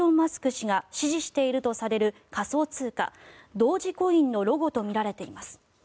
氏が支持しているとされる仮想通貨、ドージコインのロゴとみられています。